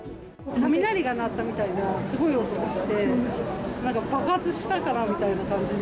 雷が鳴ったみたいなすごい音がして、なんか爆発したかなみたいな感じで。